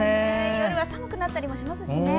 夜寒くなったりしますしね。